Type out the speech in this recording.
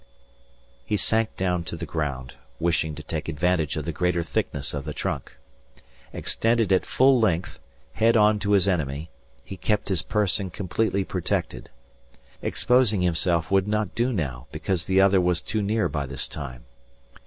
He sank down to the ground wishing to take advantage of the greater thickness of the trunk. Extended at full length, head on to his enemy, he kept his person completely protected. Exposing himself would not do now because the other was too near by this time.